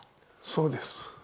そうです。